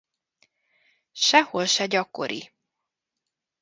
Sehol se gyakori.